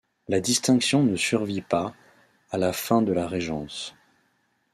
La distinction ne survit pas à la fin de la régence.